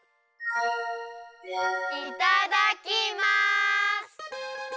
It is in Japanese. いただきます！